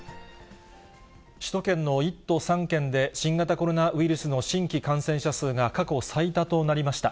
首都圏の１都３県で、新型コロナウイルスの新規感染者数が過去最多となりました。